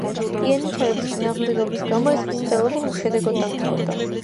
იანიჩარების წინააღმდეგობის გამო ეს მცდელობა უშედეგოდ დამთავრდა.